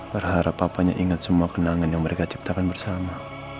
berharap papanya ingat semua kenangan yang mereka ciptakan bersama